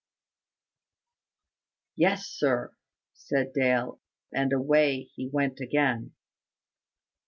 "Yes, sir," said Dale; and away he went again.